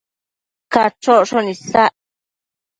Cachocshon isac